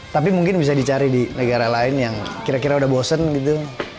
tapi mungkin bisa dicari di negara lain yang kira kira udah bosen gitu